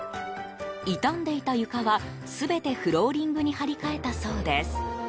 傷んでいた床は全て、フローリングに張り替えたそうです。